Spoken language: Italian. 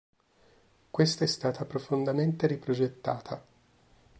Questa è stata profondamente riprogettata.